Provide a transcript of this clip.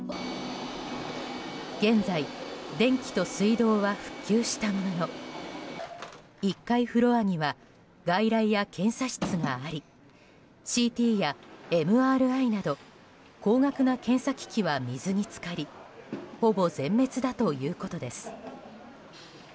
現在、電気と水道は復旧したものの１階フロアには外来や検査室がありＣＴやＭＲＩなど高額な検査機器は水に浸かりほぼ全滅だということです。